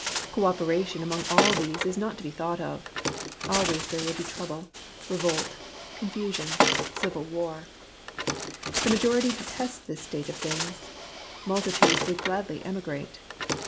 Cooperation among all these is not to be thought of : always there is trouble, — revolt, confusion, civil war. The majority detest this state of things : multitudes would gladly emigrate.